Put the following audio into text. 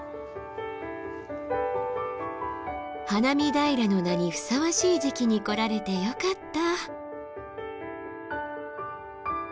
花見平の名にふさわしい時期に来られてよかった。